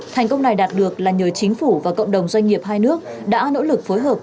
thành công này đạt được là nhờ chính phủ và cộng đồng doanh nghiệp hai nước đã nỗ lực phối hợp